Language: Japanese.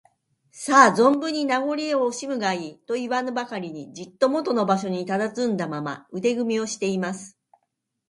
「さあ、ぞんぶんに名ごりをおしむがいい」といわぬばかりに、じっともとの場所にたたずんだまま、腕組みをしています。